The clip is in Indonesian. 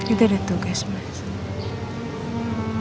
itu ada tugas mas